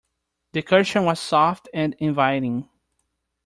The cushion was soft and inviting.